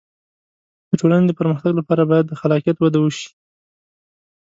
د ټولنې د پرمختګ لپاره باید د خلاقیت وده وشي.